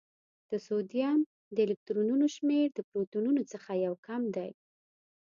د سوډیم د الکترونونو شمېر د پروتونونو څخه یو کم دی.